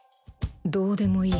どうでもいい。